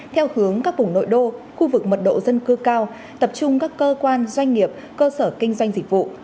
theo hướng các vùng nội đô khu vực mật độ dân cư cao tập trung các cơ quan doanh nghiệp cơ sở kinh doanh dịch vụ